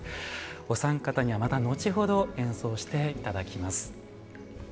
お三方にはまた後ほど演奏して頂きます。